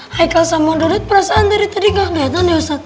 haikal sama dodot perasaan dari tadi gak keliatan ya ustaz